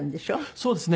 そうですね。